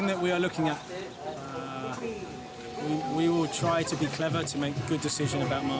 kita akan berusaha untuk menjadi bijak untuk membuat keputusan yang baik tentang marquee player